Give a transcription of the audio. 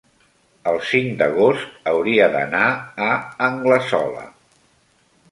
el cinc d'agost hauria d'anar a Anglesola.